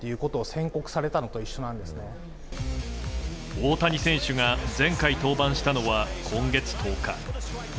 大谷選手が前回登板したのは今月１０日。